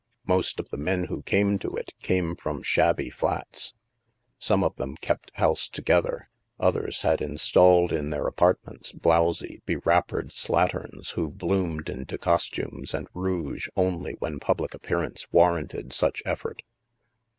Most of the men who came to it came from shabby flats. Some of them kept house together; others had installed in their apartments blowsy be wrap pered slatterns who bloomed into costumes and rouge only when public appearance warranted such effort.